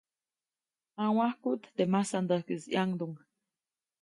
ʼNawajkuʼt teʼ masandäjkis ʼyaŋduŋ.